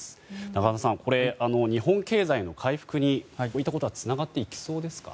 永濱さん、日本経済の回復にこういったことはつながっていきそうですか？